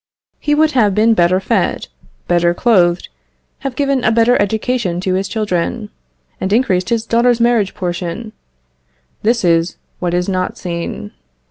He would have been better fed, better clothed, have given a better education to his children, and increased his daughter's marriage portion; this is what is not seen.